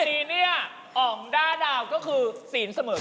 วันนี้เนี่ยอ่อมดาวก็คือศีลเสมอกันหมด